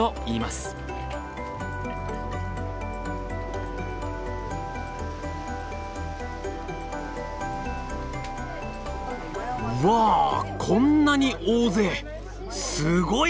すごいな！